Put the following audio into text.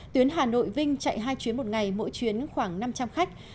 tuyến hà nội vinh chạy hai chuyến một ngày mỗi chuyến khoảng năm trăm linh khách